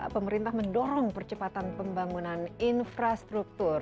pemerintah mendorong percepatan pembangunan infrastruktur